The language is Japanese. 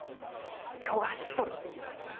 「経が走っとる！」っていうことですよ。